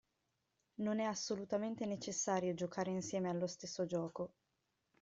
Non è assolutamente necessario giocare insieme allo stesso gioco.